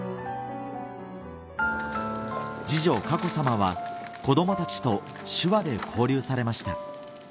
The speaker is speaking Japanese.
次女佳子さまは子どもたちと手話で交流されました